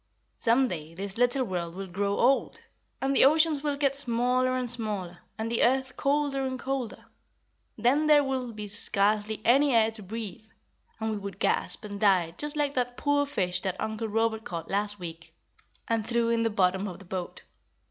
"Some day this little world will grow old, and the oceans will get smaller and smaller, and the earth colder and colder. Then there will be scarcely any air to breathe, and we would gasp, and die just like that poor fish that Uncle Robert caught last week and threw in the bottom of the boat.